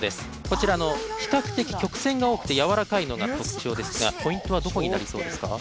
こちら比較的曲線が多くて柔らかいのが特徴ですがポイントはどこになりそうですか？